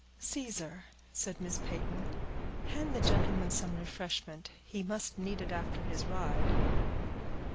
"Caesar," said Miss Peyton, "hand the gentleman some refreshment; he must need it after his ride."